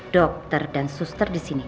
dokter dan suster di sini